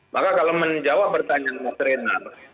maka kalau menjawab pertanyaan mas reinhard